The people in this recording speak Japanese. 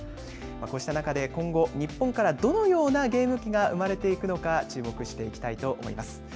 こうした中で今後、日本からどのようなゲーム機が生まれていくのか注目していきたいと思います。